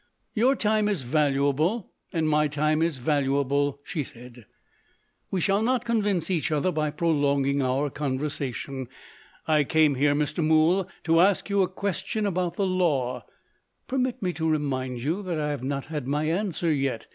"Your time is valuable, and my time is valuable," she said. "We shall not convince each other by prolonging our conversation. I came here, Mr. Mool, to ask you a question about the law. Permit me to remind you that I have not had my answer yet.